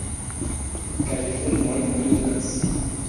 Kaj fulmoj brilas!